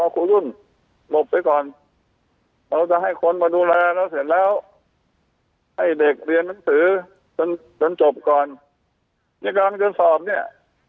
ก็จบเรื่องนี้